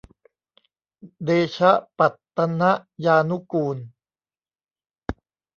เดชะปัตตนยานุกูล